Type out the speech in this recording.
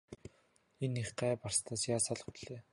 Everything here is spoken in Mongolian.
Энэ их гай барцдаас яаж салах билээ?